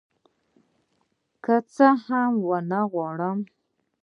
که څه هم زه نغواړم